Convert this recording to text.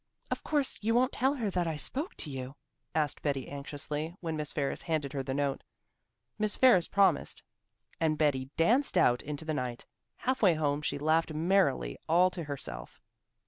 "Of course you won't tell her that I spoke to you?" asked Betty anxiously, when Miss Ferris handed her the note. Miss Ferris promised and Betty danced out into the night. Half way home she laughed merrily all to herself.